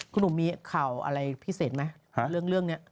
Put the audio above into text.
คุณหนุ่มมีข่าวอะไรพิเศษไหมเรื่องนี้